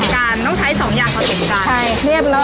ผสมกันต้องใช้สองอย่างเพิ่มกัน